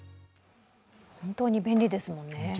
本当に便利ですもんね。